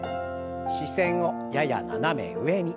視線をやや斜め上に。